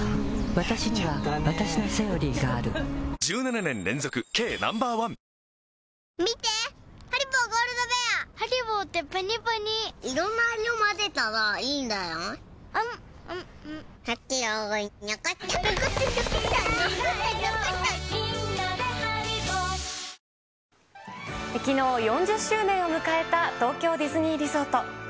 わたしにはわたしの「セオリー」がある１７年連続軽ナンバーワンきのう、４０周年を迎えた東京ディズニーリゾート。